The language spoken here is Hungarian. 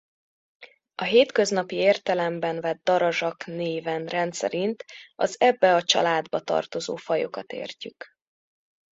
A hétköznapi értelemben vett darazsak néven rendszerint az ebbe a családba tartozó fajokat értjük.